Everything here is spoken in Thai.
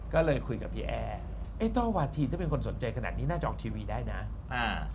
ก็เลยคุยกับพี่แอร์ต้องหวัดทีถ้าเป็นคนสนใจขนาดนี้น่าจะออกทีวีได้นะ